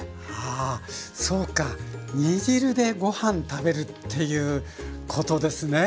あそうか煮汁でご飯食べるっていうことですね。